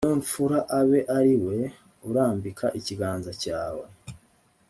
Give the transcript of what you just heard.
we mpfura abe ari we urambika ikiganza cyawe